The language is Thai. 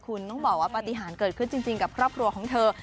คุณต้องบอกว่าปฏิหารเกิดขึ้นจริงกับครอบครัวของเธอ